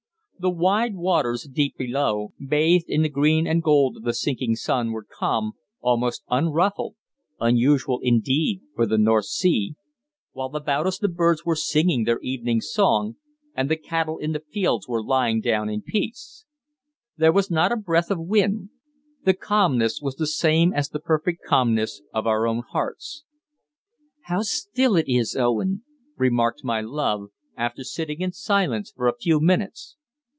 The wide waters deep below, bathed in the green and gold of the sinking sun, were calm, almost unruffled, unusual indeed for the North Sea, while about us the birds were singing their evening song, and the cattle in the fields were lying down in peace. There was not a breath of wind. The calmness was the same as the perfect calmness of our own hearts. "How still it is, Owen," remarked my love, after sitting in silence for a few minutes.